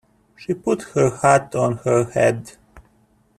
She put her hat on her head.